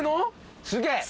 すげえ。